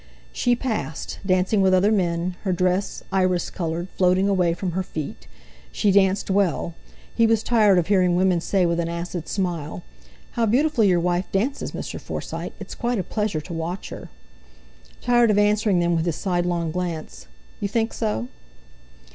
She passed, dancing with other men, her dress, iris coloured, floating away from her feet. She danced well; he was tired of hearing women say with an acid smile: "How beautifully your wife dances, Mr. Forsyte—it's quite a pleasure to watch her!" Tired of answering them with his sidelong glance: "You think so?"